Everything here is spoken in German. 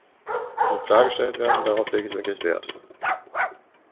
Das muss klargestellt werden, darauf lege ich wirklich Wert!